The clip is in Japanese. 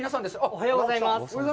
おはようございます。